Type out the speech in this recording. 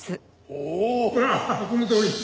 ほらこのとおり。